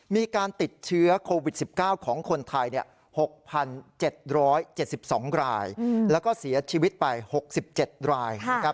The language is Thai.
มีการติดเชื้อโควิด๑๙ของคนไทย๖๗๗๒รายแล้วก็เสียชีวิตไป๖๗รายนะครับ